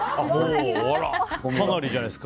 かなりじゃないですか。